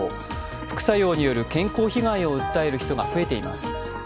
副作用による健康被害を訴える人が増えています。